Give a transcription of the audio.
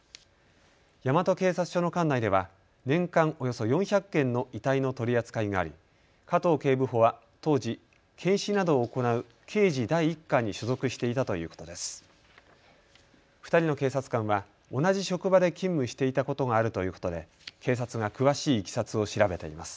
大和警察署の管内では年間およそ４００点の遺体の取り扱いがあり加藤警部補は当時、検視などを行う刑事第１課に所属していたということです。